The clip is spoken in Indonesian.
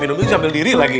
minum itu sambil diri lagi